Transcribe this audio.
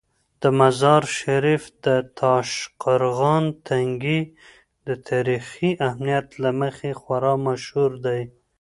د مزار شریف د تاشقرغان تنګي د تاریخي اهمیت له مخې خورا مشهور دی.